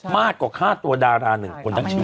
มากกว่าค่าตัวดารา๑คนทั้งชีวิต